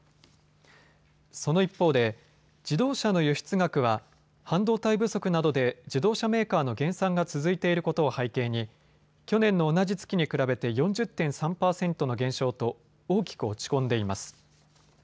その一方で、自動車の輸出額は半導体不足などで自動車メーカーの減産が続いていることを背景に去年の同じ月に比べて４０．３％の減少と大きく落ち込んでいます。